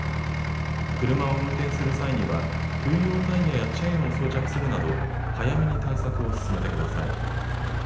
車を運転する際には冬用タイヤやチェーンを装着するなど早めに対策を進めてください。